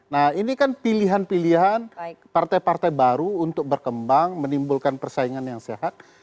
nah ini kan pilihan pilihan partai partai baru untuk berkembang menimbulkan persaingan yang sehat